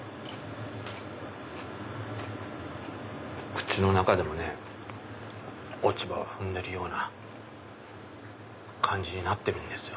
口の中でもね落ち葉を踏んでるような感じになってるんですよ。